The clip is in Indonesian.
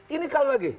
ini kalau lagi